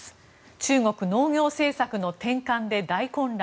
中国、農業政策の転換で大混乱。